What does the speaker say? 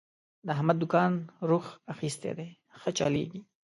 د احمد دوکان روخ اخستی دی، ښه چلېږي.